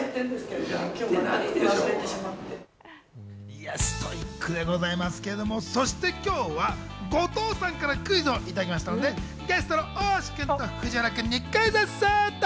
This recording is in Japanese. いやストイックでございますけど、そして今日は後藤さんからクイズをいただきましたので、ゲストの大橋君と藤原君にクイズッスと！